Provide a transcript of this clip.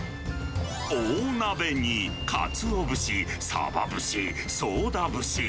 大鍋にかつお節、サバ節、ソウダ節。